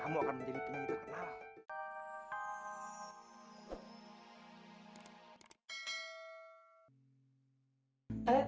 kamu akan menjadi pengingat kenal